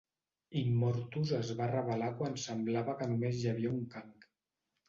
Immortus es va revelar quan semblava que només hi havia un Kang.